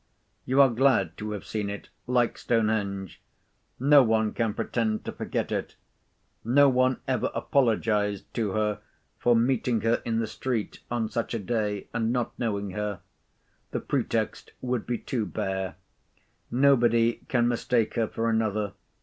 You are glad to have seen it—like Stonehenge. No one can pretend to forget it. No one ever apologised to her for meeting her in the street on such a day and not knowing her: the pretext would be too bare. Nobody can mistake her for another.